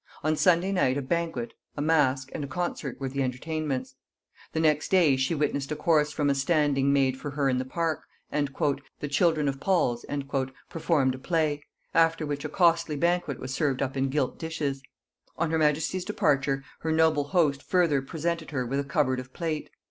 On Sunday night a banquet, a mask, and a concert were the entertainments: the next day she witnessed a course from a standing made for her in the park, and "the children of Paul's" performed a play; after which a costly banquet was served up in gilt dishes. On her majesty's departure her noble host further presented her with a cupboard of plate.